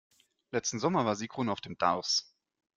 Letzten Sommer war Sigrun auf dem Darß.